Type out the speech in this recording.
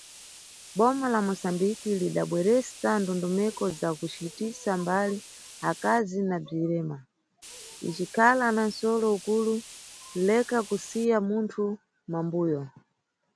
Boma la Mosambiki, lidabweresa ndondomeko za kucitisa mbali akazi na bzirema, icikhala na nʼsolo ukulu Leka kusiya munthu mʼmambuyo.